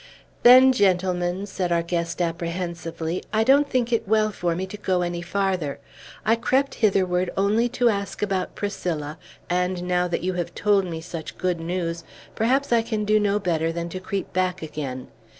"Then, gentlemen," said our guest apprehensively, "I don't think it well for me to go any farther. I crept hitherward only to ask about Priscilla; and now that you have told me such good news, perhaps I can do no better than to creep back again.